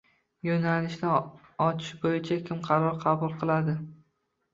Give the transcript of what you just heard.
Yo‘nalishni ochish bo‘yicha kim qaror qabul qiladi?